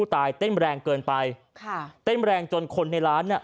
เต้นแรงเกินไปค่ะเต้นแรงจนคนในร้านอ่ะ